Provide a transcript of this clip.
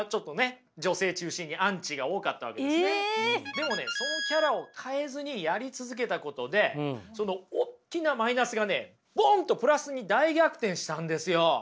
でもねそのキャラを変えずにやり続けたことでそのおっきなマイナスがねボンとプラスに大逆転したんですよ。